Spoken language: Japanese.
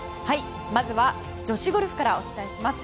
まずは女子ゴルフからお伝えします。